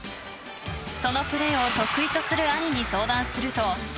そのプレーを得意とする兄に相談すると。